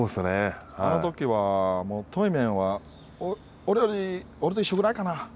あのときは、対面、俺と一緒ぐらいかな。